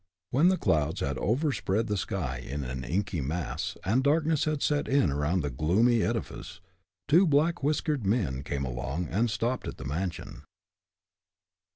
When the clouds had overspread the sky in an inky mass, and darkness had set in around the gloomy edifice, two black whiskered men came along and stopped at the mansion.